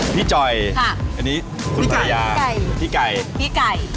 พี่จ่อยค่ะอันนี้คุณตายาพี่ไก่พี่ไก่พี่ไก่